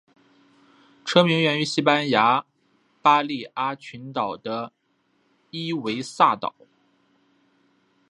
车名源自西班牙巴利阿里群岛的伊维萨岛。